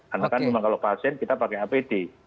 karena kan memang kalau pasien kita pakai apd